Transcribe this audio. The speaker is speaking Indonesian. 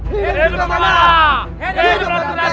hidup yang mana hidup yang terhormat